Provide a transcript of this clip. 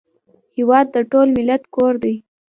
هېواد د ټول ملت کور دی